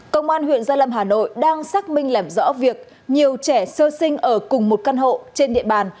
công an huyện gia lâm hà nội đang xác minh làm rõ việc nhiều trẻ sơ sinh ở cùng một căn hộ trên địa bàn